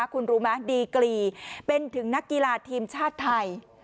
คุณรู้ไหมดีกรีเป็นถึงนักกีฬาทีมชาติไทย